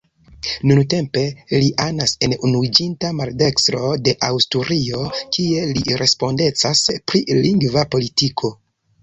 Nuntempe li anas en Unuiĝinta Maldekstro de Asturio kie li respondecas pri lingva politiko.